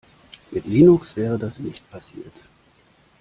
Mit Linux wäre das nicht passiert!